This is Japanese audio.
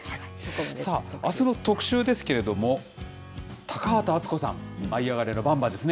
あすの特集ですけれども、高畑淳子さん、舞いあがれ！のばんばですね。